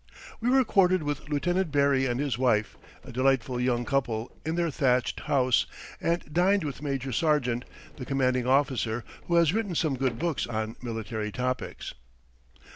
We were quartered with Lieutenant Barry and his wife, a delightful young couple, in their thatched house, and dined with Major Sargent, the commanding officer, who has written some good books on military topics.